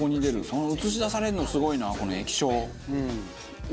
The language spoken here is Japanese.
その映し出されるのすごいなこの液晶。